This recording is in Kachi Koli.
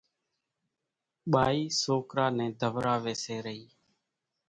ٻائِي سوڪرا نين ڌوراويَ سي رئِي۔